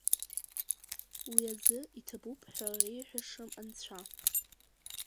Уи азы иҭабуп ҳәа реиҳәашам анцәа!